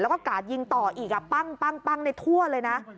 แล้วก็กาดยิงต่ออีกปั้งในทั่วเลยนะ